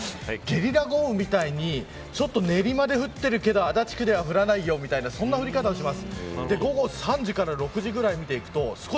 ゲリラ豪雨みたいに練馬で降っているけど足立区では降らないという降り方をします。